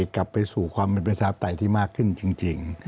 กลับไปสู่ความเป็นประชาปไตยที่มากขึ้นจริง